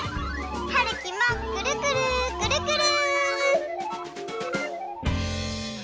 はるきもくるくるくるくる。